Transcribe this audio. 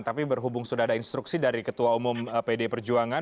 tapi berhubung sudah ada instruksi dari ketua umum pd perjuangan